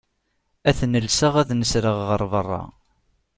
Ad ten-lseɣ ad nesreɣ ɣer berra.